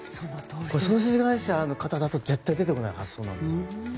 ソーセージ会社の方だと絶対出てこない発想なんですよ。